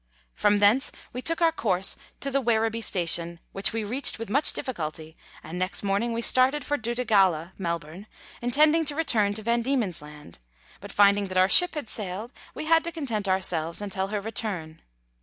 From thence we took our course to the Werribee Station, which we reached with much difficulty, and next morning we started for Doutta Galla (Melbourne), intending to return to Van Diemen's Laud ; but finding that our ship had sailed we had to content ourselves until her return.